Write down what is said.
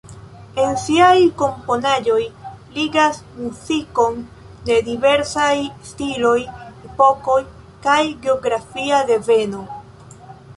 En siaj komponaĵoj ligas muzikon de diversaj stiloj, epokoj kaj geografia deveno.